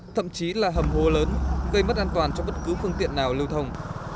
thậm chí là hầm hô lớn gây mất an toàn cho bất cứ phương tiện nào lưu thông